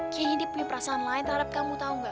kayaknya dia punya perasaan lain terhadap kamu tahu enggak